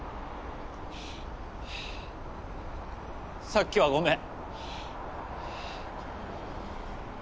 さっきはごめん。